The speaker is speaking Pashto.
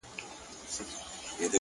صبر د لوړو موخو تر ټولو قوي ملګری دی،